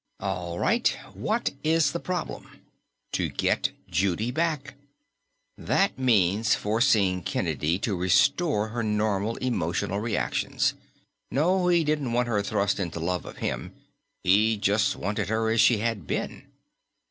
All right, what is the problem? To get Judy back. That means forcing Kennedy to restore her normal emotional reactions no, he didn't want her thrust into love of him; he just wanted her as she had been.